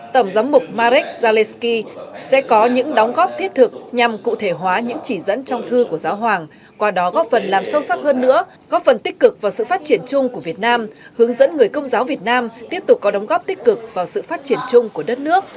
tổng giám mục marek zaleski sẽ có những đóng góp thiết thực nhằm cụ thể hóa những chỉ dẫn trong thư của giáo hoàng qua đó góp phần làm sâu sắc hơn nữa góp phần tích cực vào sự phát triển chung của việt nam hướng dẫn người công giáo việt nam tiếp tục có đóng góp tích cực vào sự phát triển chung của đất nước